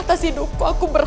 tapi musuh aku bobby